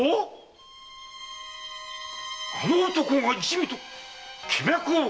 あの男が一味と気脈を？